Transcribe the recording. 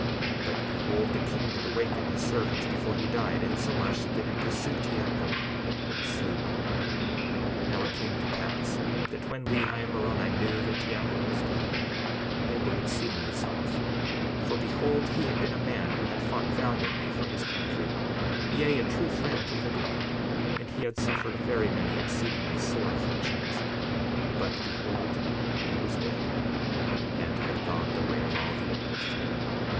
But behold, the king did awaken his servants before he died, insomuch that they did pursue Teancum, and slew him. 62:37 Now it came to pass that when Lehi and Moroni knew that Teancum was dead they were exceedingly sorrowful; for behold, he had been a man who had fought valiantly for his country, yea, a true friend to liberty; and he had suffered very many exceedingly sore afflictions. But behold, he was dead, and had gone the way of all the earth.